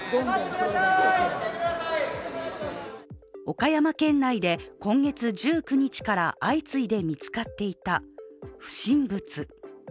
岡山県内で、今月１９日から相次いで見つかっていた不審物。